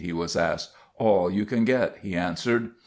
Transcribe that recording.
he was asked. "All you can get," he answered.